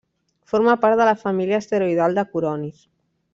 Forma part de la família asteroidal de Coronis.